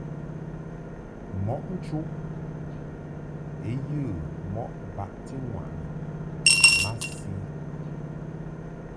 Mɔʼ nchuʼ I yə mɔʼ baʼti ŋwaʼni masi.